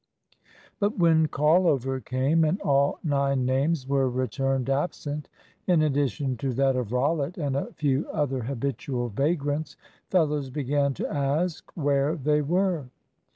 But when "call over" came and all nine names were returned absent (in addition to that of Rollitt and a few other habitual vagrants), fellows began to ask where they were.